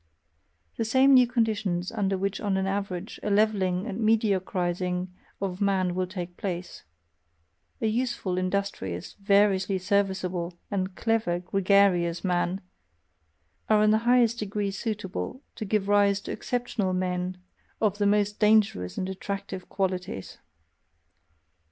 The same new conditions under which on an average a levelling and mediocrising of man will take place a useful, industrious, variously serviceable, and clever gregarious man are in the highest degree suitable to give rise to exceptional men of the most dangerous and attractive qualities.